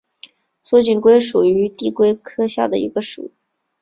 粗颈龟属是地龟科下的一个属。